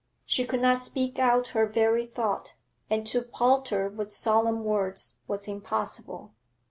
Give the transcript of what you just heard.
She could not speak out her very thought, and to palter with solemn words was impossible.